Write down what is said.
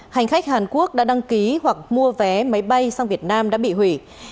hành khách hàn quốc đã đăng ký hoặc mua vé máy bay sang việt nam đã bị hủy